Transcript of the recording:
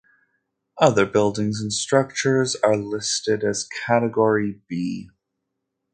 Other buildings and structures are listed as Category B.